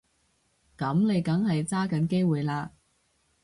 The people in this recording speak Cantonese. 噉你梗係揸緊機會啦